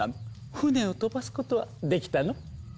船を飛ばすことはできたの？